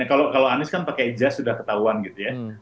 kalau anies kan pakai jas sudah ketahuan gitu ya